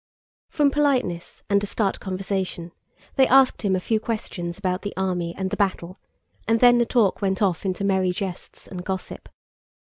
From politeness and to start conversation, they asked him a few questions about the army and the battle, and then the talk went off into merry jests and gossip.